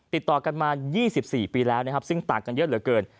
ติดต่อกันมา๒๔ปีแล้วนะครับซึ่งต่างกันเยอะเหลือเกิน